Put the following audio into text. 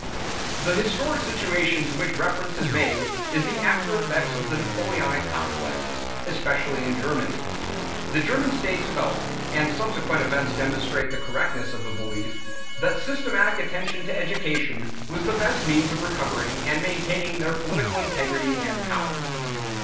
1 The historic situation to which reference is made is the after effects of the Napoleonic conquests, especially in Germany. The German states felt (and subsequent events demonstrate the correctness of the belief) that systematic attention to education was the best means of recovering and maintaining their political integrity and power.